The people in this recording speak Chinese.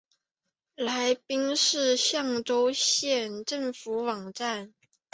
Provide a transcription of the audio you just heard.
来宾市象州县政府网站